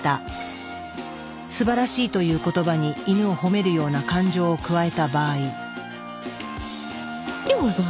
「すばらしい」という言葉にイヌを褒めるような感情を加えた場合。